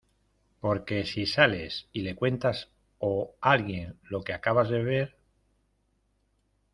porque si sales y le cuentas o alguien lo que acabas de ver...